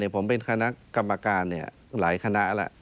ผมเป็นคณะกรรมการหลายคณะแล้ว